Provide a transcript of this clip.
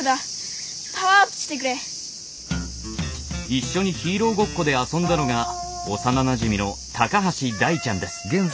一緒にヒーローごっこで遊んだのが幼なじみの橋大ちゃんです。